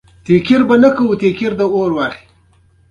آمو سیند د افغانستان د اقتصادي ودې لپاره ارزښت لري.